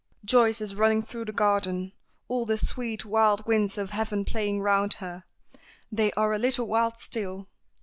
Joyce is running through the garden, all the sweet wild winds of heaven playing round her. They are a little wild still.